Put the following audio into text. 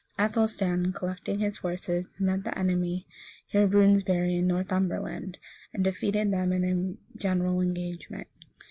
Athelstan, collecting his forces, met the enemy hear Brunsbury, in Northumberland, and defeated them in a general engagement.